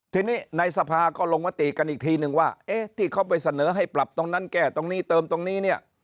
ทีนี้ในสภาก็ลงมติกันอีกทีนึงว่าเอ๊ะที่เขาไปเสนอให้ปรับตรงนั้นแก้ตรงนี้เติมตรงนี้เนี่ย